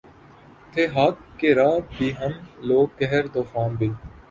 تھے خاک راہ بھی ہم لوگ قہر طوفاں بھی